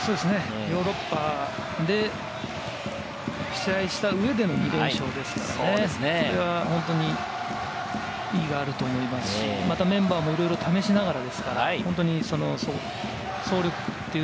ヨーロッパで試合した上での２連勝ですからね、それは本当に意義があると思いますし、またメンバーもいろいろ試しながらですから、総合力ですね。